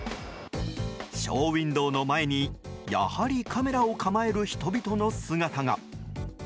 ショーウィンドーの前に、やはりカメラを構える人々の姿が。